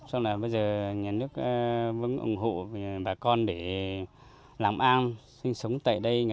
xong là bây giờ nhà nước vẫn ủng hộ bà con để làm ao sinh sống tại đây